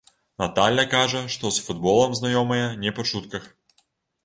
Наталля кажа, што з футболам знаёмая не па чутках.